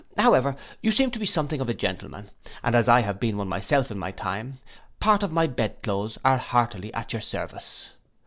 However you seem to be something of a gentleman, and as I have been one myself in my time, part of my bed cloaths are heartily at your service.